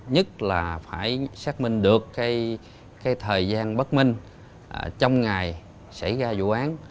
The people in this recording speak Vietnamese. nhất là phải xác minh được cái thời gian bất minh trong ngày xảy ra vụ án